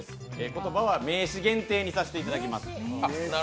言葉は名詞限定にさせていただきます。